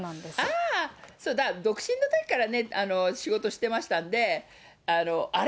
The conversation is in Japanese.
ああ、そうだから独身のときからね、仕事してましたんで、あれ？